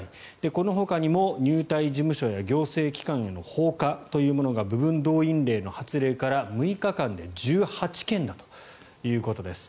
このほかにも入隊事務所や行政機関への放火というものが部分動員令の発令から６日間で１８件だということです。